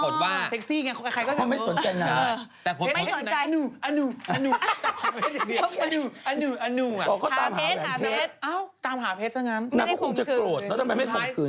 นางคงจะโกรธแล้วทำไมไม่คมขื